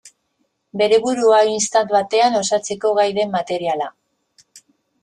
Bere burua istant batean osatzeko gai den materiala.